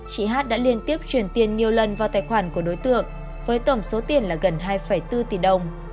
chị hát đã liên tiếp truyền tiền nhiều lần vào tài khoản của đối tượng với tổng số tiền là gần hai bốn tỷ đồng